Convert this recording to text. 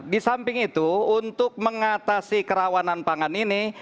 di samping itu untuk mengatasi kerawanan pangan ini